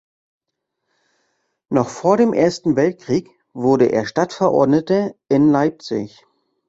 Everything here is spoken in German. Noch vor dem Ersten Weltkrieg wurde er Stadtverordneter in Leipzig.